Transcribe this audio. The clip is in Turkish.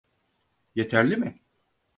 Yeterli mi?